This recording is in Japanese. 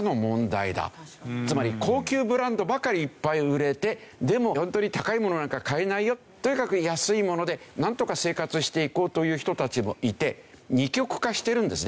つまり高級ブランドばかりいっぱい売れてでもホントに高いものなんか買えないよとにかく安いものでなんとか生活していこうという人たちもいて二極化してるんですね。